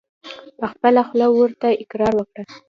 په خپله خوله ورته اقرار وکړه !